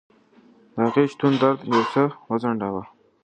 د هغې شتون درد یو څه وځنډاوه.